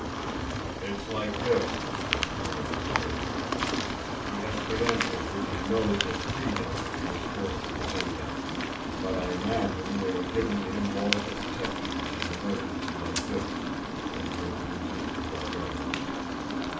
"It's like this," Mr. Grimm elucidated. "He has credentials which he knows will free him if he is forced to present them, but I imagine they were given to him more for protection in an emergency like this than for introducing him to our government.